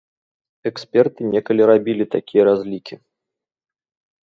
Эксперты некалі рабілі такія разлікі.